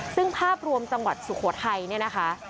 ซึ่งภาพรวมจังหวัดสุโขทัยเนี่ยนะคะ